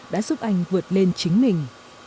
đã giúp anh vượt lên chính mình